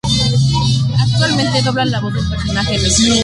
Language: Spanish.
Actualmente dobla la voz del personaje Mr.